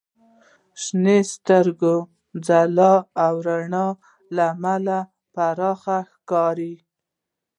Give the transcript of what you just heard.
• شنې سترګې د ځلا او رڼا له امله پراخې ښکاري.